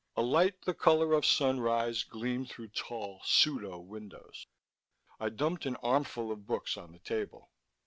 A light the color of sunrise gleamed through tall pseudo windows. I dumped an armfull of books on the table.